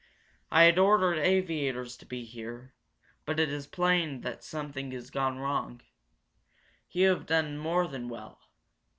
I had ordered aviators to be here, but it is plain that something has gone wrong. You have done more than well.